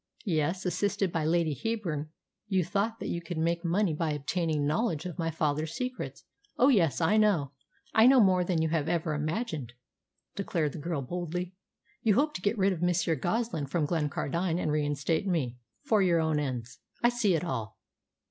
"Yes; assisted by Lady Heyburn, you thought that you could make money by obtaining knowledge of my father's secrets. Oh yes, I know I know more than you have ever imagined," declared the girl boldly. "You hope to get rid of Monsieur Goslin from Glencardine and reinstate me for your own ends. I see it all."